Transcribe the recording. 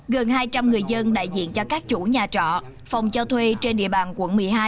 gần hai trăm linh người dân đại diện cho các chủ nhà trọ phòng cho thuê trên địa bàn quận một mươi hai